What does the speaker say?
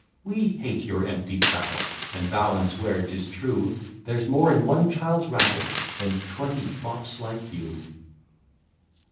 We hate your empty prattle; And vow and swear 'tis true, There's more in one child's rattle, Than twenty fops like you.